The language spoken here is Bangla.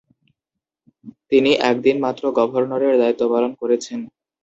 তিনি একদিন মাত্র গভর্নরের দায়িত্বপালন করেছেন।